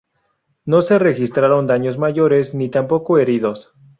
No se registraron daños mayores, ni tampoco heridos.